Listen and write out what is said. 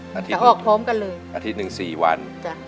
ไปฟอกไตอาทิตย์๑๔วัน